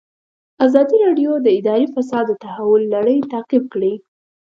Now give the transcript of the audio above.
ازادي راډیو د اداري فساد د تحول لړۍ تعقیب کړې.